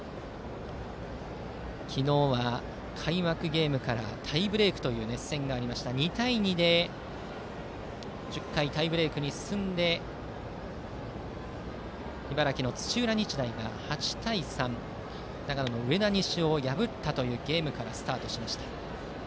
昨日は開幕ゲームからタイブレークという熱戦があって２対２で１０回タイブレークに進んで茨城の土浦日大が８対３長野の上田西を破ったゲームからスタートしました。